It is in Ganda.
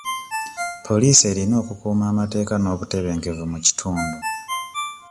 Police erina okukuuma amateeka n'obutebenkevu mu kitundu.